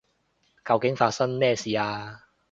究竟發生咩事啊？